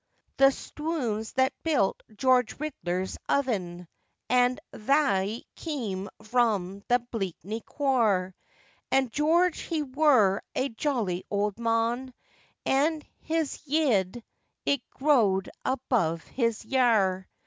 ] THE stwons that built George Ridler's oven, And thauy keam vrom the Bleakney quaar, And George he wur a jolly old mon, And his yead it grow'd above his yare.